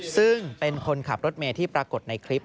ซึ่งเป็นคนขับรถเมย์ที่ปรากฏในคลิป